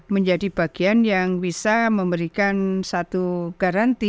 menjadi bagian yang bisa memberikan satu garanti